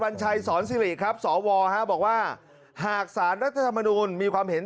ัญชัยสอนสิริครับสวบอกว่าหากสารรัฐธรรมนูลมีความเห็น